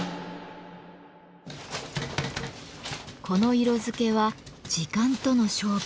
この色付けは時間との勝負。